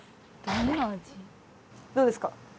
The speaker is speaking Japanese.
どうですか？